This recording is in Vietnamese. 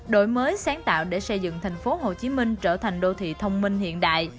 đội mới sáng tạo để xây dựng thành phố hồ chí minh trở thành đô thị thông minh hiện đại